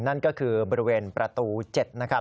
นั่นก็คือบริเวณประตู๗นะครับ